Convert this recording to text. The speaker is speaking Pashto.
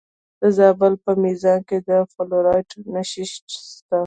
د زابل په میزانه کې د فلورایټ نښې شته.